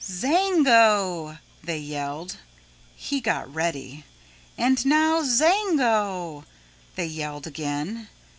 "Zango," they yelled. He got ready. "And now zango!" they yelled again.